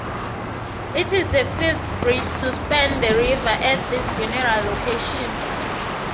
It is the fifth bridge to span the river at this general location.